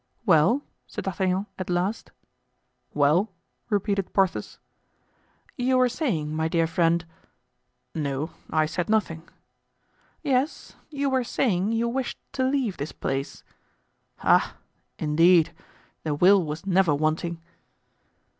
"Well?" said D'Artagnan, at last. "Well!" repeated Porthos. "You were saying, my dear friend——" "No; I said nothing." "Yes; you were saying you wished to leave this place." "Ah, indeed! the will was never wanting."